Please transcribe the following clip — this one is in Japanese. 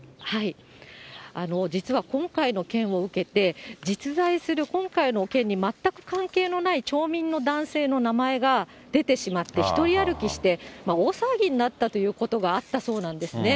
実は今回の件を受けて、実在する今回の件に全く関係のない町民の男性の名前が出てしまって、独り歩きして、大騒ぎになったというようなことがあったんですね。